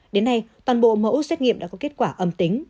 đến nay toàn bộ mẫu xét nghiệm đã có kết quả âm tính